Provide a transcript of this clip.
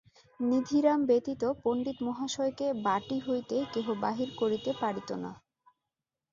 নিধিরাম ব্যতীত পণ্ডিতমহাশয়কে বাটী হইতে কেহ বাহির করিতে পারিত না।